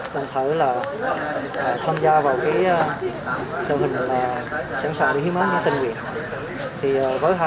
thứ thứ là tham gia vào đội hình sản sản để hiếm ấn những tình nguyện